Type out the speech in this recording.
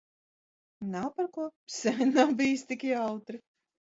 Nav par ko. Sen nav bijis tik jautri.